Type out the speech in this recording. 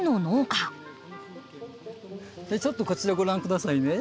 ちょっとこちらご覧くださいね。